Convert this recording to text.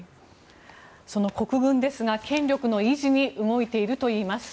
その国軍ですが権力の維持に動いているといいます。